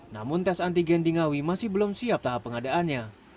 namun tes antigen di ngawi masih belum siap tahap pengadaannya